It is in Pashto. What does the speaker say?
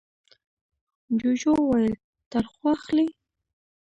جوجو وویل تنخوا اخلې؟